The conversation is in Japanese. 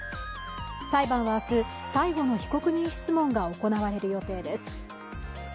裁判は明日、最後の被告人質問が行われる予定です。